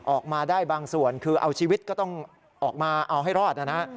ออกมาได้บางส่วนคือเอาชีวิตก็ต้องออกมาเอาให้รอดนะฮะ